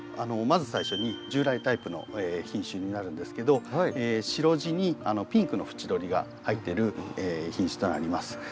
まず最初に従来タイプの品種になるんですけど白地にピンクの縁取りが入ってる品種となります。